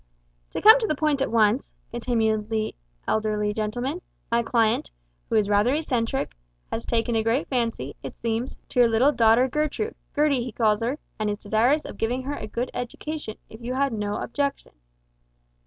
"To come to the point at once," continued the elderly gentleman, "my client, who is rather eccentric, has taken a great fancy, it seems, to your little daughter Gertrude Gertie he calls her and is desirous of giving her a good education, if you have no objection."